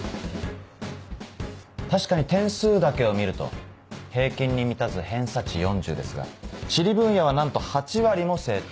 確かに点数だけを見ると平均に満たず偏差値４０ですが地理分野はなんと８割も正答。